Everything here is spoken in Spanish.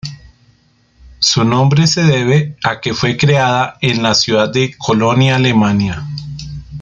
Su nombre se debe a que fue creada en la ciudad de Colonia, Alemania.